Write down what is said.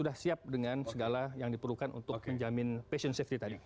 sudah siap dengan segala yang diperlukan untuk menjamin passion safety tadi